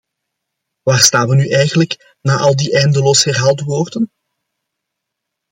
Waar staan we nu eigenlijk, na al die eindeloos herhaalde woorden?